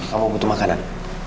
kamu butuh makanan